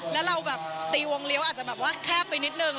แล้วเราแบบตีวงเลี้ยวอาจจะแบบว่าแคบไปนิดนึง